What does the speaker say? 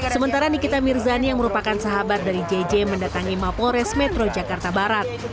sementara nikita mirzani yang merupakan sahabat dari jj mendatangi mapores metro jakarta barat